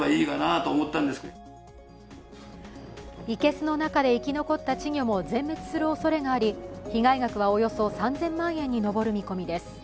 生けすの中で生き残った稚魚も全滅するおそれがあり被害額はおよそ３０００万円に上る見込みです。